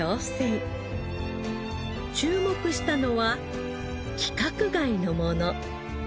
注目したのは規格外のもの。